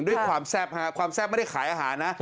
ด้วยความแซ่บฮะความแซ่บไม่ได้ขายอาหารนะ